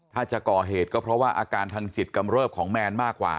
ถ้าจะก่อเหตุก็เพราะว่าอาการทางจิตกำเริบของแมนมากกว่า